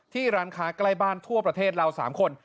ร้านค้าใกล้บ้านทั่วประเทศเรา๓คน